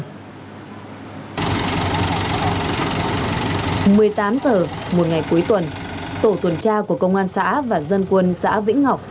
một mươi tám h một ngày cuối tuần tổ tuần tra của công an xã và dân quân xã vĩnh ngọc